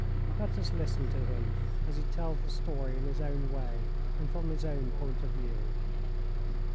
Let us listen to him as he tells the story in his own way and from his own point of view.